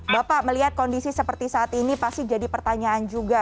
bapak melihat kondisi seperti saat ini pasti jadi pertanyaan juga